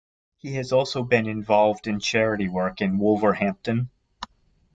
He has also been involved in charity work in Wolverhampton.